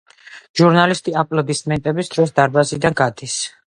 ჟურნალისტი აპლოდისმენტების დროს დარბაზიდან გადის.